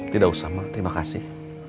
tidak usah terima kasih